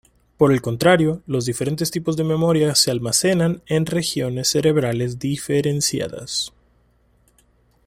Por el contrario, los diferentes tipos de memoria se almacenan en regiones cerebrales diferenciadas.